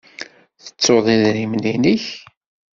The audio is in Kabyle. Tettuḍ idrimen-nnek.